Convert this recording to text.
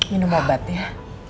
minum obat ya